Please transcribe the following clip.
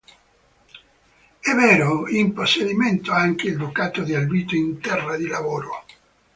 Ebbero in possedimento anche il ducato di Alvito in Terra di Lavoro.